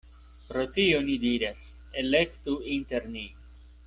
Pro tio, ni diras: elektu inter ni.